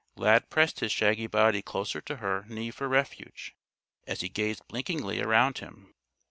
Lad pressed his shaggy body closer to her knee for refuge, as he gazed blinkingly around him.